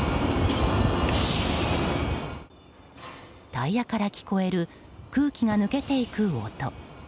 タイヤから聞こえる空気が抜けていく音。